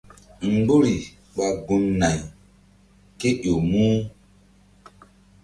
Mgbori ɓa gun- nay kéƴo muh.